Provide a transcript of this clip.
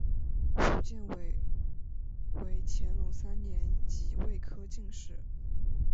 胡建伟为乾隆三年己未科进士。